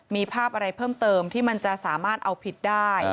มีภาพอะไรเพิ่มเติมที่มันจะสามารถเอาผิดได้